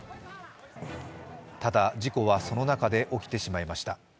ただ、事故はその中で起きてしまいました。